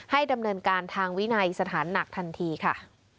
ดำเนินการทางวินัยสถานหนักทันทีค่ะ